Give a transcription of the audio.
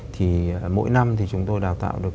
thì mỗi năm thì chúng tôi đào tạo được